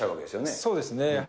そうですね。